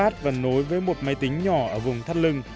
được phát và nối với một máy tính nhỏ ở vùng thắt lưng